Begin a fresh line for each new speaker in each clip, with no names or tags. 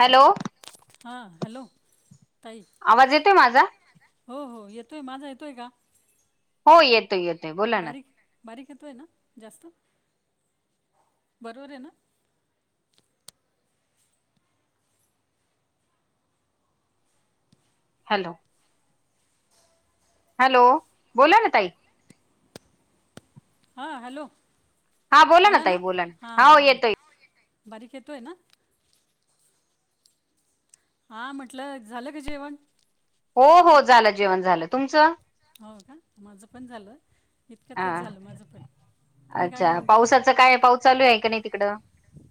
Hello?
हं, hello? ताई
आवाज येतोय माझा?
हो हो येतोय, माझा येतोय का?
हो येतोय येतोय बोला ना
बारीक बारीक येतोय ना, जास्त? बरोबर ये ना?
हॅलो? हॅलो? बोला ना ताई.
हां, हॅलो?
हा बोला
आला
ताई
ना?
बोला
हां
हो
हां,
येतोय
बारीक येतोय ना? हां म्हटलं, झालं का जेवण?
हो हो, झालं जेवण झालं, तुमचं?
हो का, माझं पण झालं.
हा
इतक्यातच झालं माझं पण, तुम्ही काय
अच्छा
जेवण केलं?
पावसाचं काय पाऊत? चालू हाय का, नही तिकडं?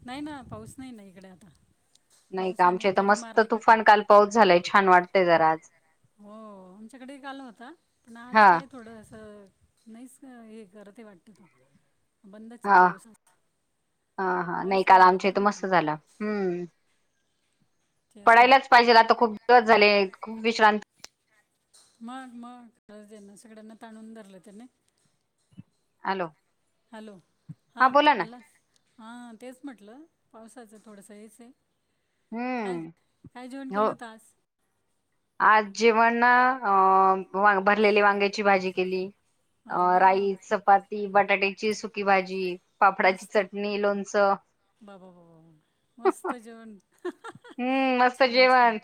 नही ना, पाऊस नही ना, इकडे आता.
नाही का,
पावसाने
आमच्या इथ
दडी
मस्त
मारली का काय
तुफान काल पाऊस झालाय, छान वाटतय जरा आज.
हो, आमच्याकडे ही काल होता, पण आज
हा
काय? थोडंसं नहीच, हे करत ये वाटत तो, बंदच पाऊस हा.
हां हां, नही काल आमच्या
बरं
इथ
होतं
मस्त झाला, हम्म.
तेच ना
पडायलाच पाहिजेल आता, खूप दिवस झाले, खूप विश्रांत
मंग मंग गरज ना, सगळ्यांना ताणून धरलं, त्याने
हॅलो?
हॅलो? हा
बोला ना
आला, हा तेच म्हटलं, पावसाचं थोडंसं हेच ये. काय,
हम्म
काय जेवण
हो
केलं होतं, आज?
आज जेवण ना, अं भरलेली वांग्याची भाजी केली.
अरे
अं
वा वा वा
राईस, चपाती, बटाट्याची सुकी भाजी. पापडाची
मस्त बाबा
चटणी, लोणचं.
बाबा ब ब ब अ मस्त जेवण,
हम्म मस्त
छान छान.
जेवण.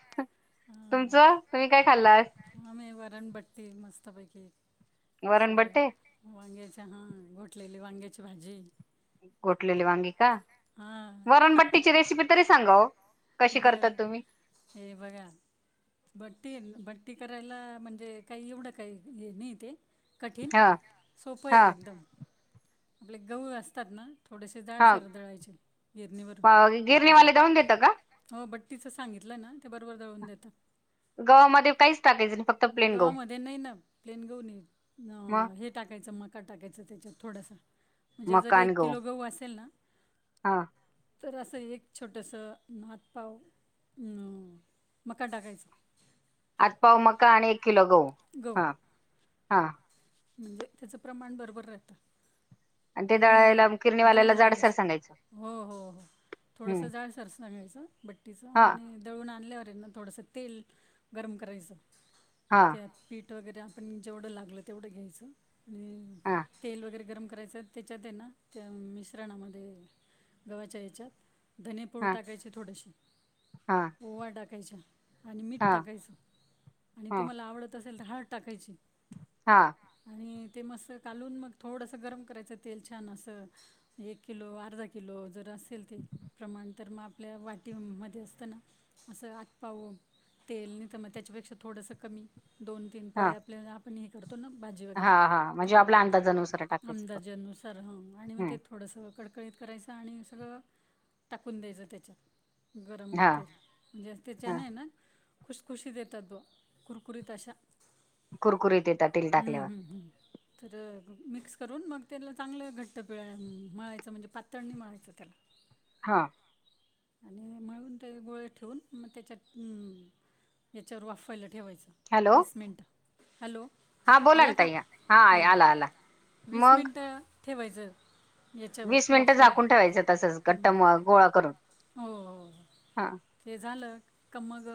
हां
तुमचं, तुम्ही काय खाल्ल आज?
आम्ही, वरणबट्टी मस्तपैकी
वरणबट्टे,
सगळं वांग्याच हं, गोटलेली वांग्याची भाजी.
गोटलेली वांगी का,
हां
वरणबट्टीची रेसिपी तरी सांगा ओ. कशी करतात
बरं,
तुम्ही?
हे बघा बट्टी बट्टी करायला म्हणजे काही एवढं काही हे नाहीय ते. कठीण.
हा हा
सोपंय एकदम. आपले गहू असतात ना. थोडेसे
हा
जाडसर दळायचे गिरणीवरून
अ,
जा
गिरणीवाले दळून देता का?
[unintelligible] हो बट्टीच सांगितलं ना ते बरोबर दळून देतात.
गव्हामध्ये काहीच टाकायचं नाही फक्त प्लेन गहू
गावामध्ये नाही ना प्लेन गहू नाही.
मग
हे टाकायचं. मका टाकायचं त्याच्यात थोडासा. म्हणजे
मका
जरी
आणि
एक किलो गहू असेल ना.
हा
तर असं एक छोटस आतपाव हम्म मका टाकायच.
आता पाव मका आणि एक किलो गहू. हा.
गहू
हा.
म्हणजे त्याचं प्रमाण बरोबर राहतं.
ते
आणि
दळायला किरणीवाल्याला
दळून आणायच.
जाडसर सांगायचं
हो हो हो थोडस
हम्म
जाडसर. सांगायच बट्टीच.
हा.
दळून आणल्यावर ना थोडस तेल गरम करायचं.
हा
त्या पीठ वगैरे आपण जेवढं लागलं तेवढं घ्यायचं. आणि
हा
तेल वगैरे गरम करायचं. त्याच्याते ना, त्या मिश्रणामध्ये. गव्हाच्या याच्यात. धने पूड
हा
टाकायचे थोडेशी.
हा
ओवा टाकायचा. आणि मीठ
हा
टाकायचं. आणि
हा
तुम्हाला आवडत असेल तर हाळद टाकायची.
हा.
आणि ते मस्त कालून मग थोडस गरम करायचं तेल छान असं. एक किलो, अर्धा किलो. जर असेल ते प्रमाण. तर मग आपल्या वाटीमध्ये असतना. असं आतपाव तेल नाही तर मग त्याच्यापेक्षा थोडस कमी. दोन तीन
हा
पळे आपल्या आपण करतो भाजी
हा
वगैरे
हा
ते
म्हणजे
पळ्या.
आपल्या अंदाजानुसार टाकायचं
आंदाजेनुसार ह. आणि मग
हम्म
ते थोडंसं कडकडीत करायचं आणि सगळं टाकून द्यायचं त्याच्यात. गरम
हा
तेल. म्हणजे
हा
त्याच्याने ना, खुशखुशी येतात बा. कुरकुरीत अशा.
कुरकुरी येतात. तेल
हम्म
टाकल्यावर
हम्म हम्म. तर मिक्स करून मग त्याला चांगलं घट्ट पिळा मळायचं. म्हणजे पातळने मळायचं त्याला. [inaudible]
हा.
आणि मळून ते गोळे ठेवून. मग त्याच्यात अ त्याच्यावर वाफायला ठेवायचं.
हॅलो
वीस मिनिट. हॅलो.
हा बोला
आला
ना
का?
ताई हा आला आला
हम्म वीस
मग
मिनिट ठेवायचं. याच्यावर
वीस मिनिटं झाकून
वाफवायला
ठेवायचं तसच. घट्ट मळून गोळा करून.
हो हो हो.
हा
ते झालं का मग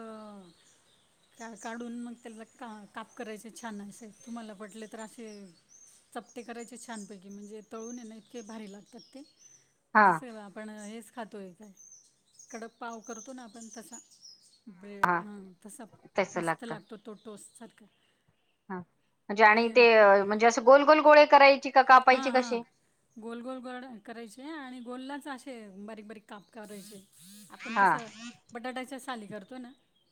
त्याला काढून मग त्याला काप करायचे छान असे. तुम्हाला पटले तर असे चपटे करायचे छानपैकी. म्हणजे तळूने ना इतके भारी लागतात ते.
हा
जसं आपण हेच खातोय. काय कडक पाव करतो ना आपण तसा. ब्रे
हा
हां तसा.
तस
मस्त
लागत
लागतो तो. टोस्टसारखा.
हा म्हणजे आणि ते म्हणजे असं गोल गोल गोळे करायचे का?
हां
कापायचे
हां
कसे?
गोल गोल गोळे करायचे. आणि गोललाच असे बारीक बारीक काप करायचे. आपण
हा
कसं बटाट्याच्या साली करतो ना.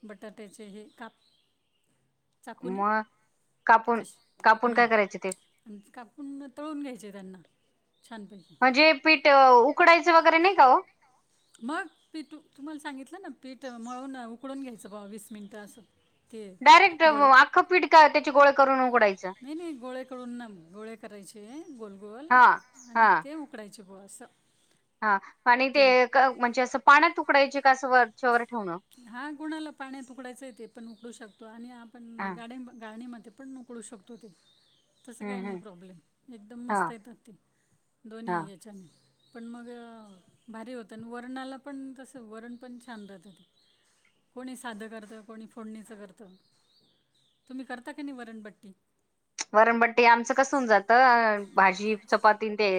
बटाट्याचे हे काप. चाकूने
म, कापून
तसे
कापून
हं.
काय करायचे ते?
आणि ते कापून तळून घ्यायचे त्यांना छानपैकी.
हे पीठ उकडायच वगैरे नाही का ओ?
मग पीठ तुम्हाला सांगितल ना पीठ मळून उकडून घ्यायच बवा वीस मिनट अस.
डायरेक्ट आख पीठ का त्याची गोळे करून उकडायच.
नाही नाही गोळे तळून ना गोळे करायचे गोलगोल
हां,
आणि ते उकडायचे बवा अस.
हा आणि ते म्हणजे अस पाण्यात उकडायचे का अस वरच्यावर ठेवण
हा कोणाला पाण्यात उकडायच आहे ते पण उकडू शकतो आणि आपण
हां.
गाडी गाळणीमध्ये पण [unintelligible] शकतो तिथे. तस काही
हं,
नाही
हं.
प्रॉब्लेम एकदम
हां,
मस्त येतात ते
हां.
दोन्ही याच्याने. पण मग भारी होत आणि वरणाला पण तस वरण पण छान राहत ते कोणी साध करत कोणी फोडणीच करत. तुम्ही करता की नाही वरणबट्टी.
वरणबट्टी आमच कस होऊन जात. भाजी चपाती ते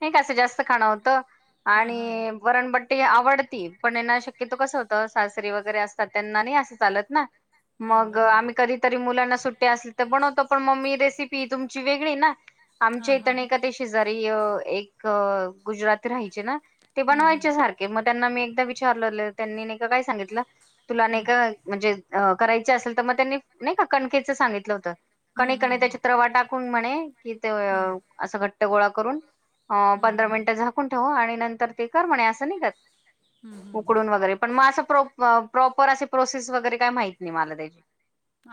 नाही कस जास्त खाण होत.
हां हां हां
आणि वरणबट्ट ते आवडती पण ह्याना शक्यतो कस होत सासरी वगैरे असतात त्यांना नाही अस चालत नाही,
नाही
मग
बरोबर
आम्ही कधीतरी मुलाना सुट्टी असली तर बनवतो पण मी रेसिपी तुमची वेगळी आहे ना,
हां
आमची
हां
तने एका तशी शेजारी एक गुजरात राहायचे ना ते
हं, हं,
बनवायच्या सारख मग त्यांना मी एकदा विचारल त्यांनी ने का काय सांगितल तुला ने
हं.
का म्हणजे अ करायच असेल तर मग त्यांनी नाही का कणकेच सांगितल होत.
हं, हं, हं, हं,
त्याच्यात रवा टाकून म्हणे कि ते
हं,
अस घट्ट गोळा करून अ
हं,
पंधरा
हं,
मिनिट झाकून ठेव आणि नंतर ते कर म्हणे अस नाय का
हं, हं.
उकडून वगैरे पण मग अस प्रॉपर असे प्रोसेस वगैरे काही माहित नाही मला त्याची.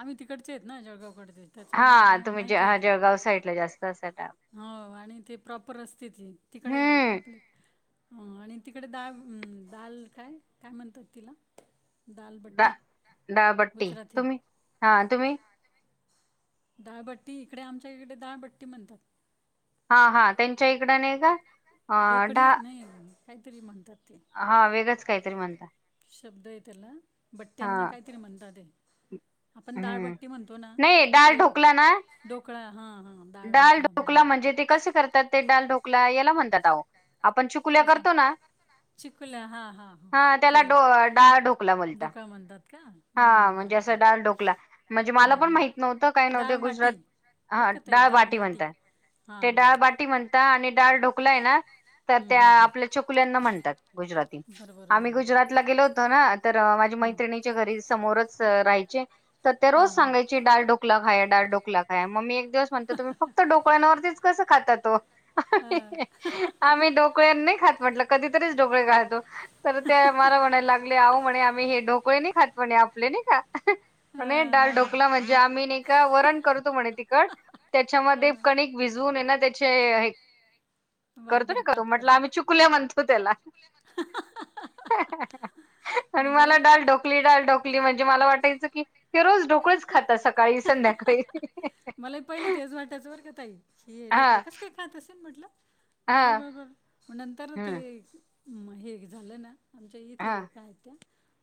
आम्ही तिकडचे आहेत ना जळगावकडचे. त्याच्यामुळे
हा
आम्हाला
तुम्ही ज
माहिती आहे ती
जळगाव साईडला जास्त असातात.
हो आणि ते प्रॉपर असते ती तिकडे
हम्म
आपले ह आणि तिकडे दा दाल काय काय म्हणतात तिला?
ड
दालबट्टी
डाळबट्टी तुम्ही. हा तुम्ही.
हा तुम्ही डाळबट्टी इकडे आमच्या इकडे डाळबट्टी म्हणतात.
हा हा त्यांच्या
हाहा
इकड नाही
त्यांच्याइकड नाय का.
अ
डोकडी.
डा
नाही काहीतरी म्हणतात. ते
हा वेगळच काहीतरी म्हणता.
शब्द आहे त्याला बट्ट्यांना
हा
काहीतरी म्हणतात ते, आपण
हम्म
डाळबट्टी म्हणतो ना.
डाल
नाही
ढोकला
डाळ
ना
ढोकळा ते हा हा.
डाल ढोकला म्हणजे, ते कसे करतात ते डाल ढोकला याला म्हणतात अहो. आपण चुकुल्या
कशा
करतो ना
चिकुल्या हां हां हां
हा त्याला ड डाळ ढोकला म्हणता.
ढोकळा म्हणतात का
हा
हां
म्हणजे
बरोबर
अस
आहे
डाल ढोकला म्हणजे मला
हम्म
पण माहित नव्हत, काय
हम्म
नव्हत गुजरात
डाळबाटी
हा डाळ बाटी म्हणतात.
हा हा
डाळ बाटी म्हणतात आणि डाळ ढोकलाय ना तर
हम्म
त्या
हम्म हम्म
आपल्या चकुल्यांना म्हणतात गुजराती.
बरोबर
आम्ही
बरोबर
गुजरातला गेलो होतो ना तर माझ्या मैत्रिणीच्या घरी समोरच राहायचे. तर ते रोज
हां हां
सांगयचे डाळ ढोकला खाये ड डोकला खाय म्मी एक दिवस म्हणत तुम् फक्त ोकळ्यांवरतीच कस खाता ओ? ही
हां
ही ही... आम्ही ढोकळे नाही खात म्हटलं कधीतरीच ढोकळे खातो.. तर त्या मला म्हणायला लागल्या आहो म्हणे, आम्ही हे डोकं नाही खात म्हणे आपले नाही कां. म्हणे
हां
डाल
हां
ढोकला म्हणजे आम्ही नाही का वरण करतो म्हणे तिखट त्याच्यामध्ये कणिक भिजवून ना त्यांचे
बारीक
करतो ना
बारीक
करतो,
काप
म्हटलं आम्ही चुकुल्या म्हणतो. म्हणतो त्याला. आणि मला
म्हणजे
डाल ढोकली डाल ढोकली म्हणजे मला वाटायचं की ती रोज ढोकळेच खातात सकाळी संध्याकाळी
मलाही पहिले तेच वाटायचं बर का ताई. हे
हा
डोकडे कस काय खात असेल म्हटलं? डाळ
हा
[unintelligible] म नंतर ते
हम्म
मग हे झालं ना, आमच्या इथे
हा
एक आहेत त्या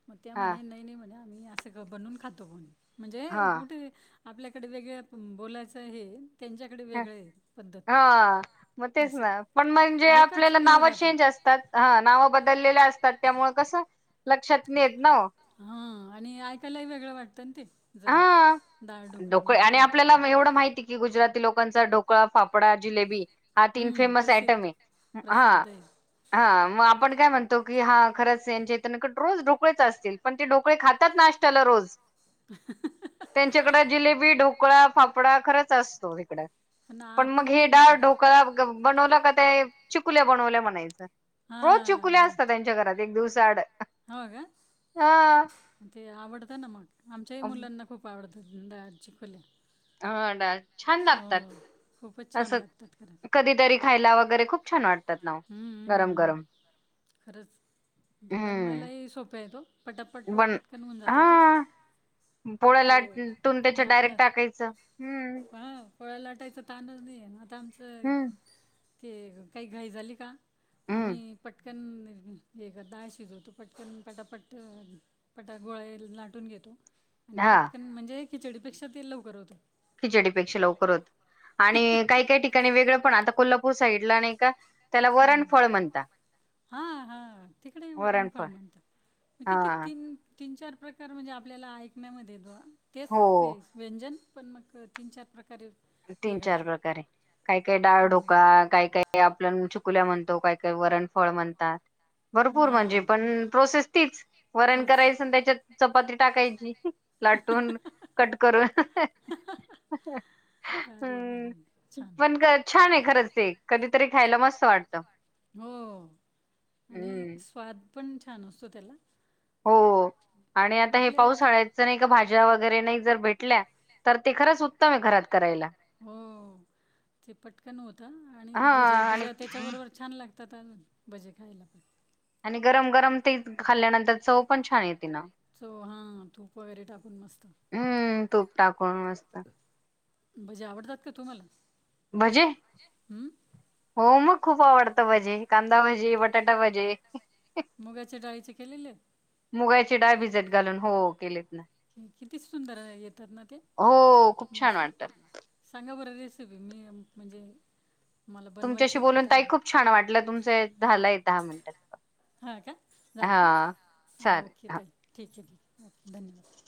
मग त्या
हा
म्हणे नाही नाही म्हणे आम्ही असं. ते बनवून खातो म्हणून म्हणजे
हा
कुठे आपल्याकडे वेगळ बोलायचं हे त्यांच्याकडे वेगळे पद्धत
हां मग तेच
असं
ना पण म्हणजे,
एकच
आपल्याला
हे
नाव
राहतं.
चेंज असतात. हा नाव बदललेल्या असतात त्यामुळे कसं लक्षात येत नाय ओ..
हा आणि ऐकायलाही वेगळं वाटतं ना ते. जरा
हा
डाळ ढोकळे
ढोकळा
म्हणजे
आणि
काय.
आपल्याला एवढं माहिती की, गुजराती लोकांचा ढोकळा फाफ फाफडा जिलेबी हा तीन
हम्म
फेमस
प्रसिद्ध
आयटम आहे हा.
प्रसिद्ध आहे
हा मग आपण काय म्हणतो की हा खरंच यांचे इथ का नी रोज ढोकळे च असतील पण ते ढोकळे खातात नाशट्याला रोज.
ह हं हं..
त्यांच्याकडे जिलेबी, ढोकळा, फाफडा खरंच असतो, इकडं कड पण मग
आपण
हे
नाही ना
डाळ
खात.
ढो बनवलं का ते चिकुल्या बनवल्या म्हणायचं रोज
हा
चिकुल्या असतात त्यांच्या घरात एक दिवसा आड
हाव का ते आवडतं ना मग आमच्याही मुलांना खूप आवडत्यात डायरेत चकुल्या
हां डाळ. छान लागतात
खूपच छान
असं
लागतात
कधीतरी खायला वगैरे खूप छान वाटतं.
हम्म हम्म हम्म, खरंच. ते
हम्म
बनवायलाही सोपे आहेत ओ. पटापट
पण
पटकन होऊन जाता ते.
हा पोळ्या
ते
लाटून त्याच्यात डायरेक्ट टाकायचं, हम्म.
हांव पोळ्या लाटायचं ताणच नाही ये, आता आमचं.
हम्म
ते काही घाई झाली का?
हम्म
आम्ही पटकन डाळ शिजवतो पटकन. पटापट पटा गोळे लाटून घेतो. आणि
हा
पटकन म्हणजे खिचडीपेक्षा ते लवकर होतं.
खिचडीपेक्षा लवकर होत आणि काही काही ठिकाणी वेगळं पण आता कोल्हापूर साईडला नाही का वरण
हम्म.
फळ म्हणता.
हा हा तिकडे बी वरुणफळ
वरणफळ
म्हणतात. ते किती
हा
तीन तीन-चार प्रकार म्हणजे आपल्याला ऐकण्यामध्ये [unintelligible] तेच
हो
सेम. व्यंजन पण, मग तीन चार प्रकारे. हे
तीन चार
करतात.
प्रकारे काय काय डाळ
हो.
ढोकळा काय काय ते आपल्याण छकुल्या म्हणतो, काय-काय वरणफळ म्हणतात. भरपूर म्हणजे,
हा.
पण प्रोसेस तीचं. वरण
तीच.
करायचं आन, त्यांच्यात चपाती टाकायची लाटून. कट करुन.
करून भारी
हम्म.
भारी छान.
पण छान आहे खरंच ते कधीतरी खायला मस्त वाटत.
हो. आणि स्वाद पण छान असतो त्याला.
हो. आणि आता हे
आपले
पावसाळ्याच्या नाही का भाज्या वगैरे नाही जर भेटल्या तर ते खरंच उत्तम आहे घरात करायला.
हं. ते पटकन व्हतं आणि
हा
भज्या
आणि
बिज्या त्याच्याबरोबर- छान लागतात आणि भजे खायला पण.
आणि गरम गरम ते खाल्ल्यानंतर चव पण छान येते ना.
चव हां. तूप वगैरे टाकून मस्त.
हम्म. तूप टाकून मस्त.
भजे आवडतात का तुम्हाला? भजे? हम्.
हो मग. खूप आवडता भजे. कांदा भजे. बटाटा भजे.
मुगाच्या डाळीचे केलेले?
मुगाची डाळ भिजत घालून हो केलेत ना.
किती सुंदर येतात ना ते?
हो. खूप छान
मस्त.
वाटतात.
सांगा बरं. रेसिपी मी म्हणजे- मला बनवायचे
तुमच्याशी
आहेत
बोलून
आता
ताई खूप छान वाटलं. तुमचं झालंय दहा मिनिटाच कॉल.
हां का? झाले का?
चालेल हा
ओके. चल. ठीक आहे. ठीक. ओके. धन्यवाद.